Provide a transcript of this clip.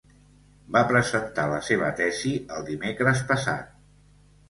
Va presentar la seva tesi el dimecres passat.